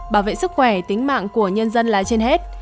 bảo vệ sức khỏe tính mạng của nhân dân là trên hết